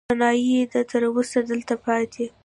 رڼايي يې ده، تر اوسه دلته پاتې